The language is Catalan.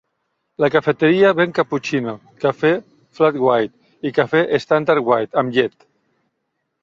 La cafeteria ven caputxino, cafè "flat white" i cafè "standard white" amb llet